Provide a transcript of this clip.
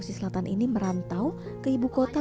susahnya kayak apa